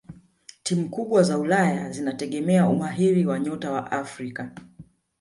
timu kubwa za ulaya zinategemea umahiri wa nyota wa afrika